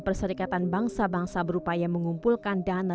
perserikatan bangsa bangsa berupaya mengumpulkan dana